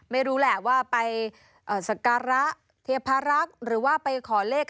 ไม่รู้แหละว่าไปสการะเทพารักษ์หรือว่าไปขอเลข